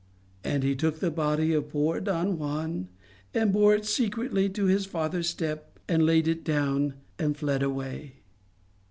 ' and he took the body of the poor Don Juan and bore it secretly to his father's step and laid it down and fled away.